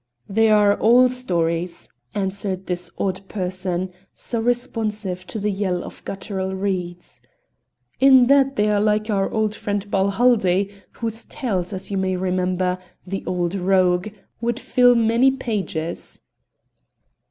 "They are all stories," answered this odd person, so responsive to the yell of guttural reeds. "In that they are like our old friend Balhaldie, whose tales, as you may remember the old rogue! would fill many pages."